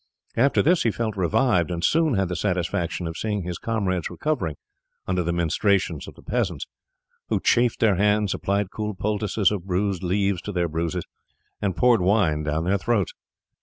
After this he felt revived, and soon had the satisfaction of seeing his comrades recovering under the ministrations of the peasants, who chafed their hands, applied cool poultices of bruised leaves to their bruises, and poured wine down their throats.